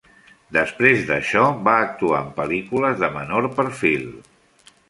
Després d'això, va actuar en pel·lícules de menor perfil.